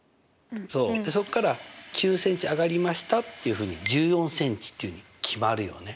そうそこから９ｃｍ上がりましたっていうふうに１４ｃｍっていうふうに決まるよね。